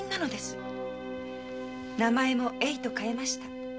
名前も「栄」と変えました。